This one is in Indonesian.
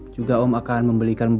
juga om akan membelikan baju sama ibu